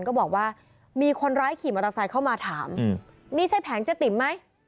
ก็บอกว่ามีคนร้ายขี่มอเตอร์ไซค์เข้ามาถามนี่ใช่แผงเจ๊ติ๋มไหม